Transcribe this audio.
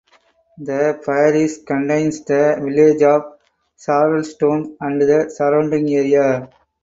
The parish contains the village of Sharlston and the surrounding area.